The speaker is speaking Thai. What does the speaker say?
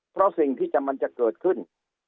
เพราะสิ่งที่มันจะเกิดขึ้น